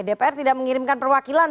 dpr tidak mengirimkan perwakilan